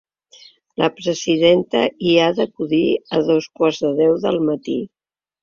La presidenta hi ha d’acudir a dos quarts de deu del matí.